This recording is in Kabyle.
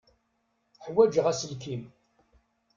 Ḥwaǧeɣ aselkim.